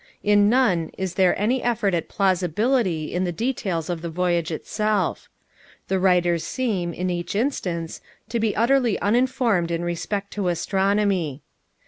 In none is there any effort at plausibility in the details of the voyage itself. The writers seem, in each instance, to be utterly uninformed in respect to astronomy.